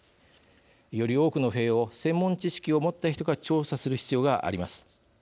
より多くの塀を専門知識を持った人が調査する必要があります。